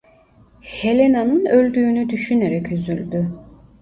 Helena'nın öldüğünü düşünerek üzüldü.